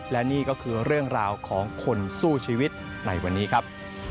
และนี่ก็คือเรื่องราวของคนสู้ชีวิตในวันนี้ครับ